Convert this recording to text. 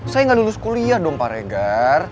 saya gak lulus kuliah dong pak regar